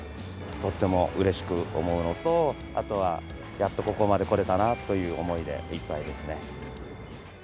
とってもうれしく思うのと、あとは、やっとここまで来れたなという思いでいっぱいですね。